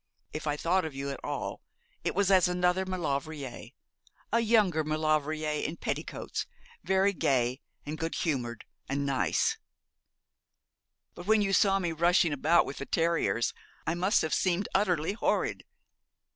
If I thought of you at all it was as another Maulevrier a younger Maulevrier in petticoats, very gay, and good humoured, and nice.' 'But when you saw me rushing about with the terriers I must have seemed utterly horrid.'